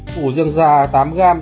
củ riêng da tám g